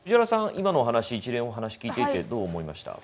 今のお話一連のお話聞いていてどう思いました？